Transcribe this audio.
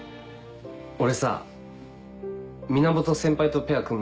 俺さ源先輩とペアを組む